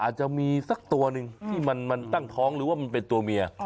อาจจะมีสักตัวหนึ่งที่มันตั้งท้องหรือว่ามันเป็นตัวเมีย